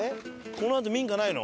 このあと民家ないの？